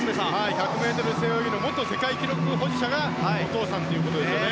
１００ｍ背泳ぎの元世界記録保持者がお父さんということですね。